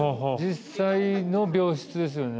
実際の病室ですよね。